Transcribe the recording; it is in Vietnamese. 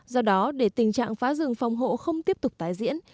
do đó để tình trạng phá rừng phòng hộ không tiếp tục tái diễn